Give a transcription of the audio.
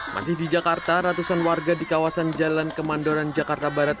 masih di jakarta ratusan warga di kawasan jalan kemandoran jakarta barat